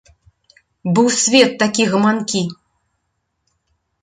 Быў свет такі гаманкі.